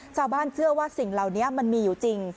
ชาวบ้านเชื่อว่าสิ่งเหล่านี้มันมีอยู่จริง